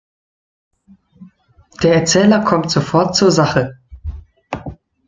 Der Erzähler kommt sofort zur Sache.